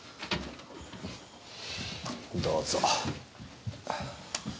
どうぞ。